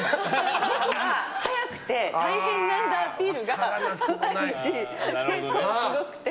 僕は早くて大変なんだアピールが毎日結構すごくて。